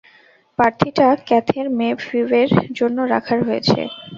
পার্টিটা ক্যাথের মেয়ে ফিবের জন্য রাখার হয়েছে।